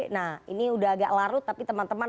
nah ini udah agak larut tapi teman teman